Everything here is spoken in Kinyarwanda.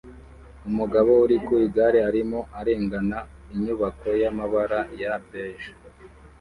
Umugabo uri ku igare arimo arengana inyubako y'amabara ya beige